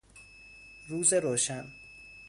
روز روشن